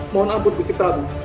mohon ampun bukit pramu